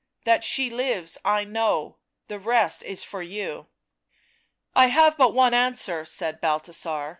That she lives I know, the rest is for you. 77 " I have but one answer," said Balthasar.